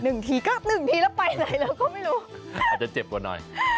หนึ่งทีก็หนึ่งทีและไปอีกสักหน่อย